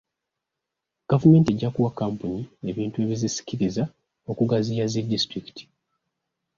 Gavumenti ejja kuwa Kkampuni ebintu ebizisikiriza okugaziya zi disitulikiti.